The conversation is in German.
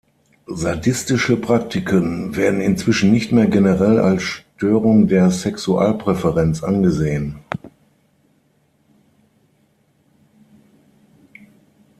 Sadistische Praktiken werden inzwischen nicht mehr generell als Störung der Sexualpräferenz angesehen.